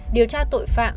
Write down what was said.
điều tra tội phạm